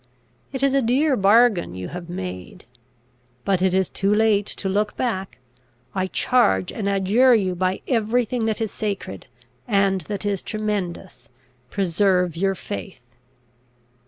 It is a dear bargain you have made. But it is too late to look back. I charge and adjure you by every thing that is sacred, and that is tremendous, preserve your faith!